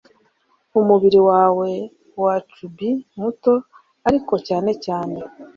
umubiri wawe wa chubby muto ariko cyane cyane